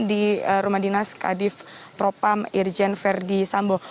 di rumah dinas kadif propam irjen verdi sambo